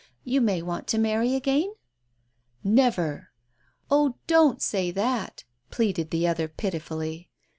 You may want to marry again ?"" Never 1" "Oh, don't say that!" pleaded the other pitifully.